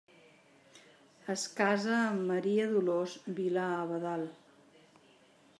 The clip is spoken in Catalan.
Es casa amb Maria Dolors Vila-Abadal.